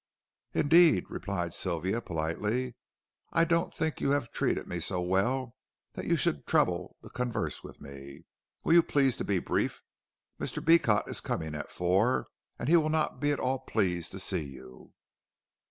"Indeed," replied Sylvia, politely, "I don't think you have treated me so well that you should trouble to converse with me. Will you please to be brief. Mr. Beecot is coming at four, and he will not be at all pleased to see you."